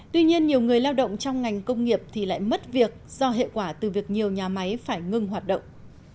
tuy nhiên nhiều người lao động trong ngành công nghiệp thì lại mất việc do hệ quả từ việc nhiều nhà máy phải ngừng hoạt động